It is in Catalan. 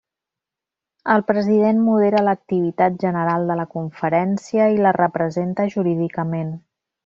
El President modera l'activitat general de la conferència i la representa jurídicament.